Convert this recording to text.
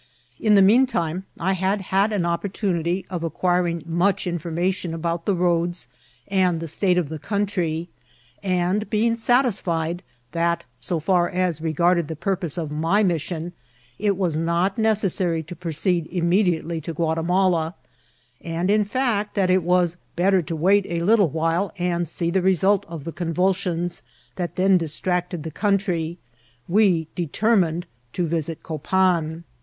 In the mean time, I had had an oppor tunity of acquiring much information about the roads and the state of the country ; and, being satisfied that, so £Bur as regarded the purpose of my mission, it was not necessary to proceed immediately to Guadmala, and, in fact, that it was better to wait a little while and see the result of the convulsions that then distracted the country, we determined to visit Copan.